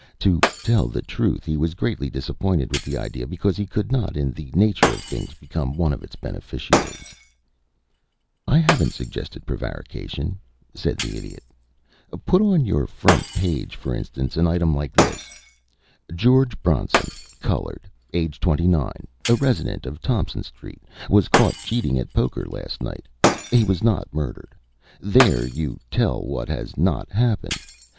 To tell the truth, he was greatly disappointed with the idea, because he could not in the nature of things become one of its beneficiaries. [Illustration: "HE WAS NOT MURDERED"] "I haven't suggested prevarication," said the Idiot. "Put on your front page, for instance, an item like this: 'George Bronson, colored, aged twenty nine, a resident of Thompson Street, was caught cheating at poker last night. He was not murdered.' There you tell what has not happened.